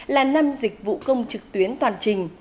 là năm dịch vụ công trực tuyến toàn trình